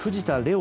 央